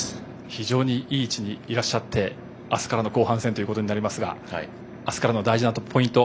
非常にいい位置にいらっしゃって明日からの後半戦ということになりますが明日からの大事なポイント